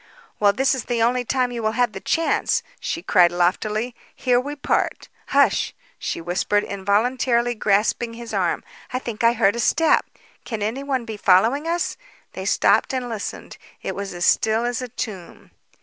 "Well, this is the only time you will have the chance," she cried loftily. "Here we part. Hush!" she whispered, involuntarily grasping his arm. "I think I heard a step. Can anyone be following us?" They stopped and listened. It was as still as a tomb.